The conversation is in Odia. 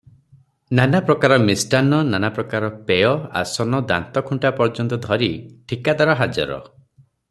ନାନାପ୍ରକାର ମିଷ୍ଟାନ୍ନ, ନାନାପ୍ରକାର ପେୟ, ଆସନ, ଦାନ୍ତଖୁଣ୍ଟା ପର୍ଯ୍ୟନ୍ତ ଧରି ଠିକାଦାର ହାଜର ।